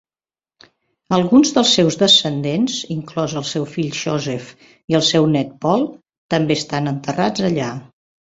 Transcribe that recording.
Alguns dels seus descendents, inclòs el seu fill Joseph i el seu nét Paul, també estan enterrats allà.